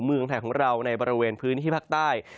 เมืองไทยของเราในบริเวณพื้นที่ภาคใต้